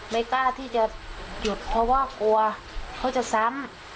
ไม่กล้าที่จะหยุดเพราะว่ากลัวเขาจะซ้ำ